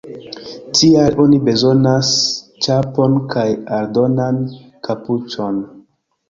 Tial oni bezonas ĉapon kaj aldonan kapuĉon.